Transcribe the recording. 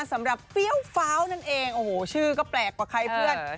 เฟี้ยวฟ้าวนั่นเองโอ้โหชื่อก็แปลกกว่าใครเพื่อน